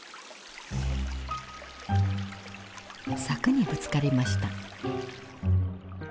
柵にぶつかりました。